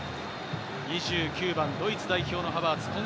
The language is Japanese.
２９番、ドイツ代表のハバーツ。